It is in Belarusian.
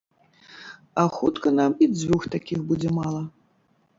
А хутка нам і дзвюх такіх будзе мала.